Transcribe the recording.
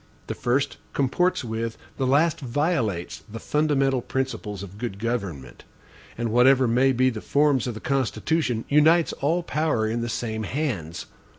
The first comports with, the last violates, the fundamental principles of good government; and, whatever may be the forms of the Constitution, unites all power in the same hands.